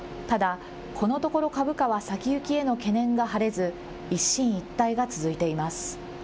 ただ、このところ株価は先行きへの懸念が晴れず一進一退が続いています。